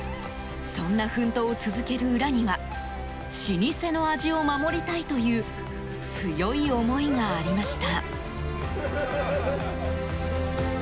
そんな奮闘を続ける裏には老舗の味を守りたいという強い思いがありました。